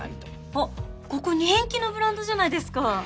あっここ人気のブランドじゃないですか。